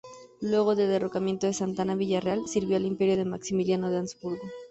Luego del derrocamiento de Santa Anna, Villareal sirvió al Imperio de Maximiliano de Habsburgo.